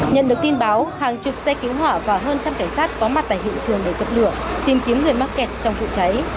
nhận được tin báo hàng chục xe cứu hỏa và hơn trăm cảnh sát có mặt tại hiện trường để dập lửa tìm kiếm người mắc kẹt trong vụ cháy